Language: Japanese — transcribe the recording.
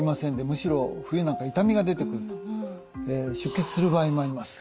むしろ冬なんか痛みが出てくると出血する場合もあります。